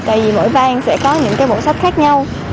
tại vì mỗi bang sẽ có những bộ sách khác nhau